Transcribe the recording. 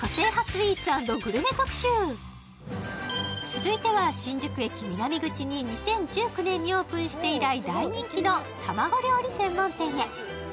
続いては新宿駅南口に２０１９年にオープンして以来大人気の卵料理専門店へ。